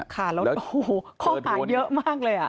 ค่ะแล้วโอ้โหข้อหาเยอะมากเลย